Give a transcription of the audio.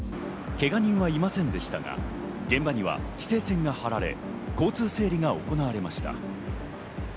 けが人はいりませんでしたが、現場には規制線が張られ、交通整理が行われました。